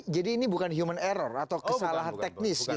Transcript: jadi ini bukan human error atau kesalahan teknis gitu